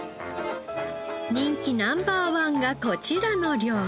人気ナンバーワンがこちらの料理。